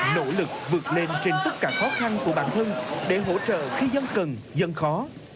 nỗ lực vượt lên trên tất cả khó khăn của bản thân để hỗ trợ khi dân cần dân khó